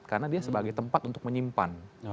karena dia sebagai tempat untuk menyimpan